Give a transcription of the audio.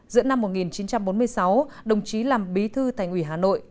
giữa năm một nghìn chín trăm bốn mươi sáu đồng chí làm bí thư thành ủy hà nội